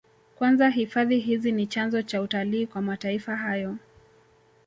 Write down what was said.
Kwanza hifadhi hizi ni chanzo cha utalii kwa mataifa hayo